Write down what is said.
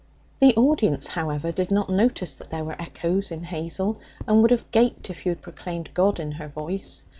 The audience, however, did not notice that there were echoes in Hazel, and would have gaped if you had proclaimed God in her voice.